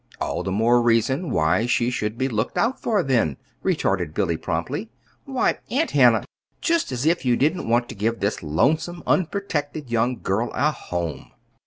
"All the more reason why she should be looked out for, then," retorted Billy, promptly. "Why, Aunt Hannah, just as if you didn't want to give this lonesome, unprotected young girl a home!"